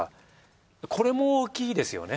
これも大きいですよね。